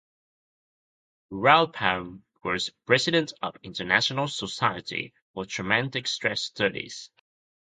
Rothbaum was president of the International Society for Traumatic Stress Studies.